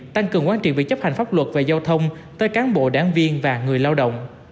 tăng cường quán trị việc chấp hành pháp luật về giao thông tới cán bộ đảng viên và người lao động